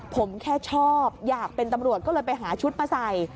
ผมแค่ชอบอยากเป็นตำรวจก็เลยไปหาชุดมาใส่